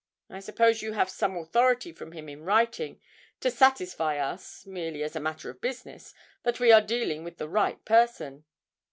I suppose you have some authority from him in writing, to satisfy us (merely as a matter of business) that we are dealing with the right person?'